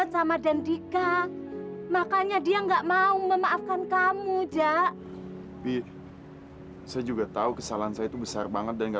sampai jumpa di video selanjutnya